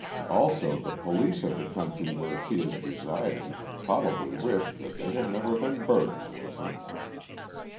Also the police of the country where she is residing probably wish that they had never been burdened with her."